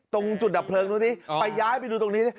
ตรงจุดดับเพลิงนู้นนี่ไปย้ายไปดูตรงนี้